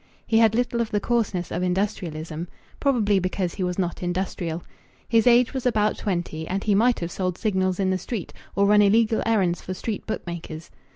He had little of the coarseness of industrialism probably because he was not industrial. His age was about twenty, and he might have sold Signals in the street, or run illegal errands for street bookmakers.